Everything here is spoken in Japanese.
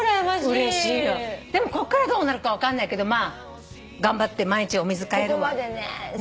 でもこっからどうなるか分かんないけどまあ頑張って毎日お水替えるわ。